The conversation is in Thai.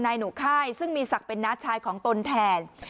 หนูค่ายซึ่งมีศักดิ์เป็นน้าชายของตนแทน